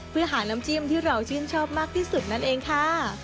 เพื่อหาน้ำจิ้มที่เราชื่นชอบมากที่สุดนั่นเองค่ะ